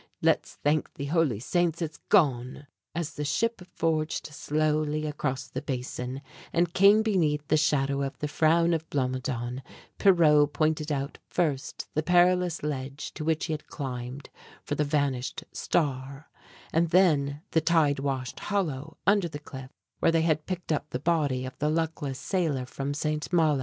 Let's thank the Holy Saints it's gone." As the ship forged slowly across the Basin and came beneath the shadow of the frown of Blomidon, Pierrot pointed out first the perilous ledge to which he had climbed for the vanished "star," and then the tide washed hollow under the cliff, where they had picked up the body of the luckless sailor from St. Malo.